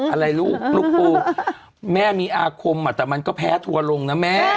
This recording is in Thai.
อะไรลูกลูกปูแม่มีอาคมแต่มันก็แพ้ทัวร์ลงนะแม่